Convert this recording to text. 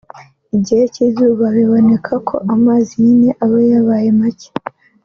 Igihe cy’izuba biboneka ko amazi nyine aba yabaye make